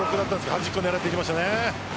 端っこを狙っていきました。